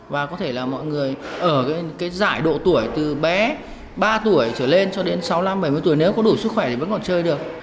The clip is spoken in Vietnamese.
và có thể là mọi người ở cái giải độ tuổi từ bé ba tuổi trở lên cho đến sáu năm bảy mươi tuổi nếu có đủ sức khỏe thì vẫn còn chơi được